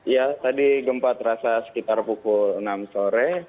ya tadi gempa terasa sekitar pukul enam sore